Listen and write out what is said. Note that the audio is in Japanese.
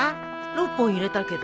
６本入れたけど？